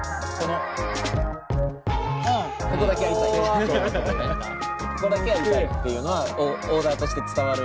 ここだけやりたいっていうのはオーダーとして伝わるように。